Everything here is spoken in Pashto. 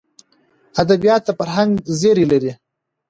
ادبیات د فرهنګ زېری لري.